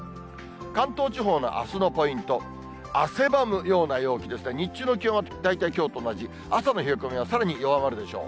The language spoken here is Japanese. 関東地方のあすのポイント、汗ばむような陽気でして、日中の気温は大体きょうと同じ、朝の冷え込みはさらに弱まるでしょう。